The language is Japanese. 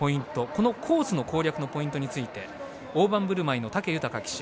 このコースの攻略のポイントについてオオバンブルマイの武豊騎手